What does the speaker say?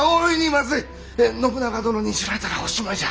信長殿に知られたらおしまいじゃ。